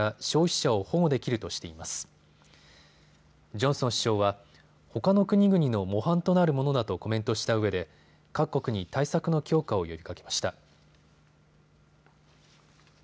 ジョンソン首相はほかの国々の模範となるものだとコメントしたうえで各国に対策の強化を呼びかけました。